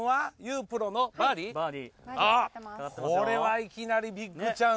これはいきなりビッグチャンス。